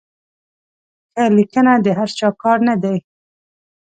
ښه لیکنه د هر چا کار نه دی.